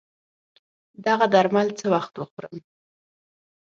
دغه درمل څه وخت وخورم